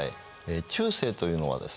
中世というのはですね